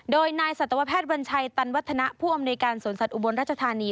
โดยนายสัตวแพทย์วัญชัยตันวัฒนะผู้อำนวยการสวนสัตว์อุบลรัชธานี